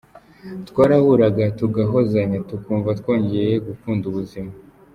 Twarahuraga tugahozanya, tukumva twongeye gukunda ubuzima.